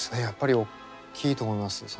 やっぱりおっきいと思います。